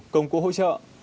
công cụ hỗ trợ